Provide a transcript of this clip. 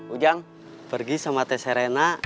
ujang pergi sama teh serena